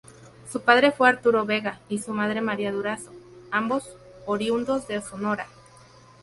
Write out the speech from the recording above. Su padre fue Arturo Vega y su madre María Durazo, ambos oriundos de Sonora.